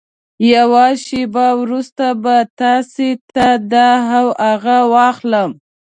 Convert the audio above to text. يوه شېبه وروسته به تاسې ته دا او هغه واخلم.